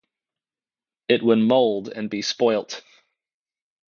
It would mould and be spoilt.